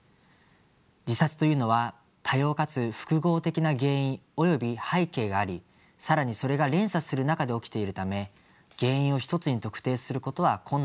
自殺というのは多様かつ複合的な原因および背景があり更にそれが連鎖する中で起きているため原因を一つに特定することは困難です。